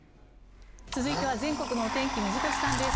続いては全国の天気水越さんです。